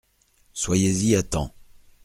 Soyez-y à temps !